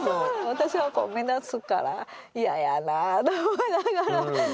私はこう目立つからイヤやなと思いながら。